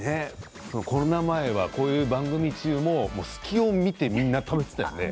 コロナ前は、こういう番組中も隙を見て食べていたよね。